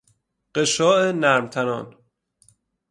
غشاء نرم تنان